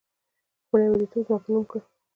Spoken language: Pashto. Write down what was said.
خپل يوازيتوب زما په نوم کړه